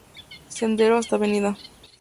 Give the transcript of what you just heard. Sendero hasta Av.